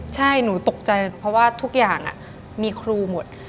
ใช่หนูตกใจเพราะว่าทุกอย่างมีครูหมด